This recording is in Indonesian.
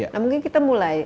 nah mungkin kita mulai